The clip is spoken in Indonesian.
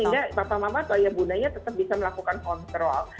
nah itu sehingga papah mama atau ayah bundanya tetap bisa melakukan kontrol